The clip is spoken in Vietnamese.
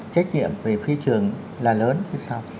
trách nhiệm về phía trường là lớn chứ sao